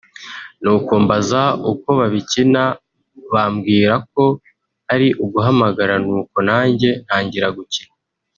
nuko mbaza uko babikina bambwira ko ari uguhamagara nuko nanjye ntangira gukina